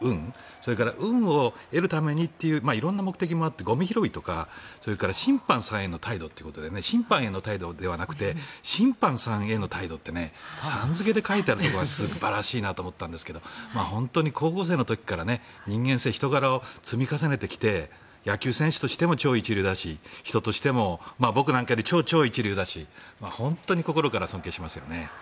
それから運を得るためにという色んな目的もあってゴミ拾いとか、それから審判さんへの態度ということで審判への態度ではなくて審判さんへの態度ってさん付けで書いてあるところが素晴らしいなと思ったんですが本当に高校生の時から人間性、人柄を積み重ねてきて野球選手としても超一流だし人としても僕なんかより超超一流だし本当に心から尊敬しますよね。